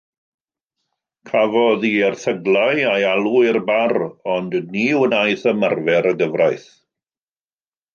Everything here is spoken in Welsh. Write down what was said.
Cafodd ei erthyglau a'i alw i'r Bar, ond ni wnaeth ymarfer y gyfraith.